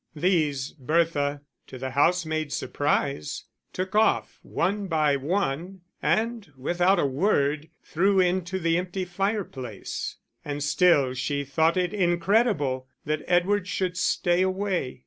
These Bertha, to the housemaids' surprise, took off one by one, and, without a word, threw into the empty fireplace. And still she thought it incredible that Edward should stay away.